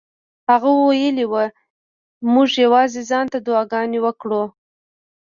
هغه ویلي وو موږ یوازې ځان ته دعاګانې وکړو.